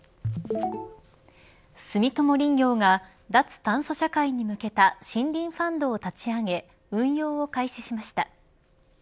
住友林業が脱炭素社会に向けた森林ファンドを立ち上げ運用を開始しました。